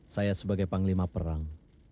saya sebagai panglima perang